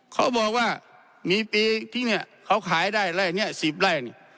เขาบอกว่ามีปีที่เนี่ยเขาขายได้ไล่นี้๑๐ไร่เนี่ย